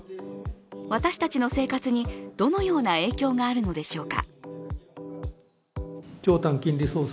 私たちの生活にどのような影響があるのでしょうか。